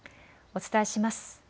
お伝えします。